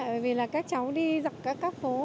bởi vì các cháu đi dọc các phố